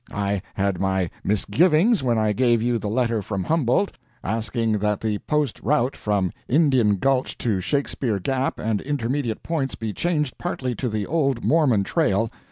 I had my misgivings when I gave you the letter from Humboldt, asking that the post route from Indian Gulch to Shakespeare Gap and intermediate points be changed partly to the old Mormon trail.